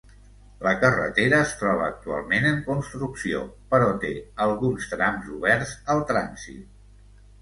La carretera es troba actualment en construcció, però té alguns trams oberts al trànsit.